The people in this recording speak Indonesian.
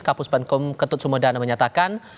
kapus penkom ketut sumedana menyatakan